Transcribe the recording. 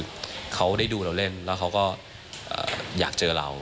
เขาได้ดูเราเล่นแล้วเขาก็อยากเจอเรา